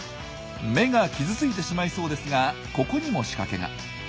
目が傷ついてしまいそうですがここにも仕掛けが。